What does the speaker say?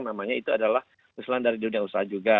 namanya itu adalah usulan dari dunia usaha juga